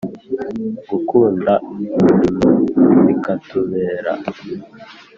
gukunda umurimo bikatubera